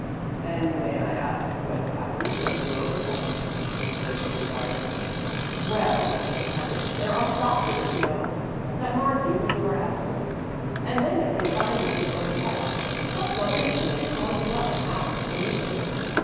"And may I ask what happens when you over cut?" the bishop inquired. "Well," said Patty, "there are proctors, you know, that mark you when you are absent; and then, if they find that you've over cut, the Self Government Committee calls you up and asks the reason.